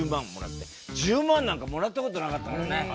１０万なんかもらった事なかったからね。